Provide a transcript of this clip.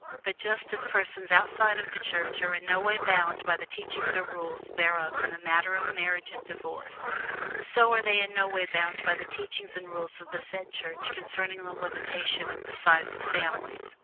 But just as persons outside of that Church are in no way bound by the teachings or rules thereof in the matter of Marriage and Divorce, so are they in no way bound by the teachings and rules of the said Church concerning the limitation of the size of families.